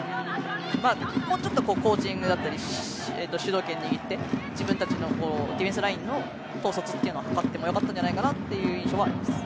もうちょっとコーチングだったり主導権握って自分たちのディフェンスラインの統率というのを図ってもよかったんじゃないかなという印象はあります。